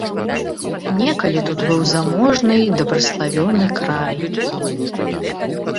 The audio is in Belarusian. Некалі тут быў заможны й дабраславёны край.